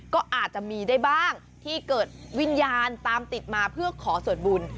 ก็อาจจะมีได้บ้างที่เกิดวิญญาณตามติดมาเพื่อขอส่วนบุญ